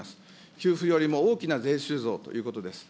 給付よりも大きな税収増ということです。